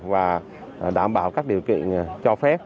và đảm bảo các điều kiện cho phép